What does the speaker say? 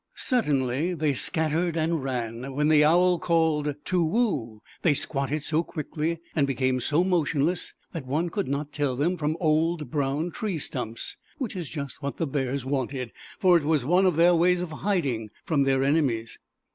Suddenly they scattered and ran. When the owl called " To Woo r " they squatted so quickly and became so motionless that one could not tell them from old brown tree stumps, which is just what the bears wanted, for it is one of their ways of hiding from their enemies.